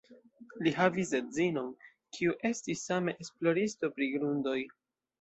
Li havis edzinon, kiu estis same esploristo pri grundoj.